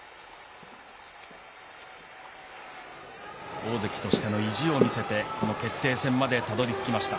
大関としての意地を見せて、この決定戦までたどり着きました。